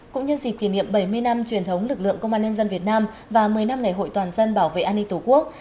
cũng nhân dịp kỷ niệm bảy mươi năm truyền thống lực lượng công an nhân dân việt nam và một mươi năm ngày hội toàn dân bảo vệ an ninh tổ quốc